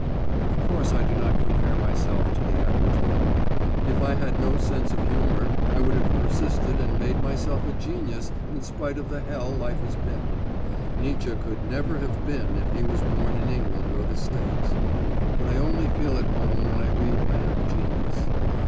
Of course, I do not compare myself to the average man. If I had no sense of humor I would have persisted and made myself a genius in spite of the hell life has been. Nietzsche could never have been if he was born in England or the States. But I only feel at home when I read men of genius.